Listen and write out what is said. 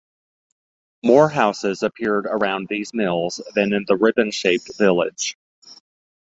More houses appeared around these mills than in the ribbon shaped village.